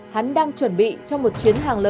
hắn đang chuẩn bị cho một chuyến hàng lớn